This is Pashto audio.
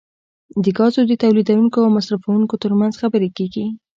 د ګازو د تولیدونکو او مصرفونکو ترمنځ خبرې کیږي